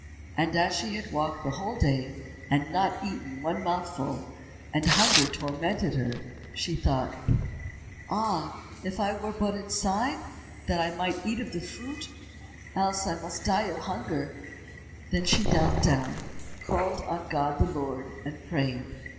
And as she had walked the whole day and not eaten one mouthful, and hunger tormented her, she thought, "Ah, if I were but inside, that I might eat of the fruit, else must I die of hunger!" Then she knelt down, called on God the Lord, and prayed.